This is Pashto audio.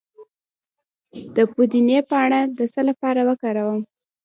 د پودینې پاڼې د څه لپاره وکاروم؟